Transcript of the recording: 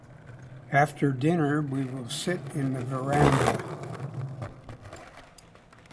After dinner we will sit in the verandah.